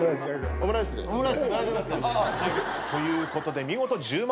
・オムライスで大丈夫ですか？ということで見事１０万